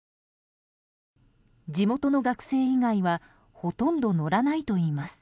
地元の学生以外はほとんど乗らないといいます。